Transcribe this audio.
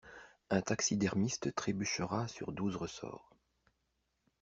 Un taxidermiste trébuchera sur douze ressorts.